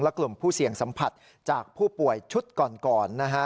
และกลุ่มผู้เสี่ยงสัมผัสจากผู้ป่วยชุดก่อนนะฮะ